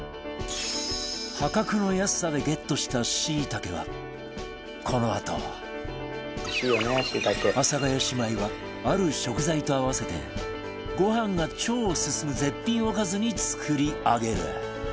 破格の安さでゲットしたしいたけはこのあと阿佐ヶ谷姉妹はある食材と合わせてご飯が超すすむ絶品おかずに作り上げる